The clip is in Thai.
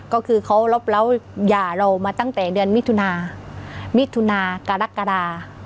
ก็คือเขารบเล้าหย่าเรามาตั้งแต่เดือนมิถุนามิถุนากรกฎา